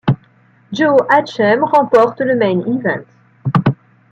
Joe Hachem remporte le Main Event.